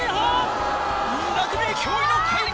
ラグビー驚異の怪力！